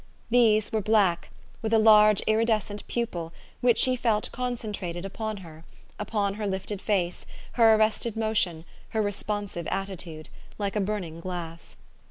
These were black, with a large iridescent pupil, which she felt concentrated upon her upon her lifted face, her arrested motion, her responsive attitude like a burning glass.